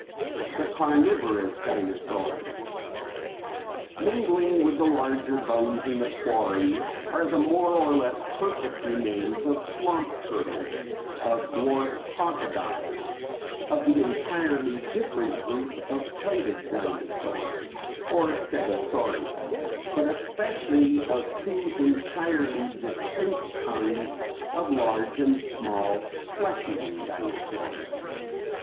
The Carnivorous Dinosaurs. Mingling with the larger bones in the quarry are the more or less perfect remains of swamp turtles, of dwarf crocodiles, of the entirely different group of plated dinosaurs, or Stegosauria, but especially of two entirely distinct kinds of large and small flesh eating dinosaurs.